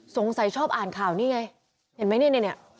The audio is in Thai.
ชอบอ่านข่าวนี่ไงเห็นไหมเนี่ย